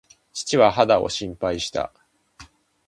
父は肌を心配した。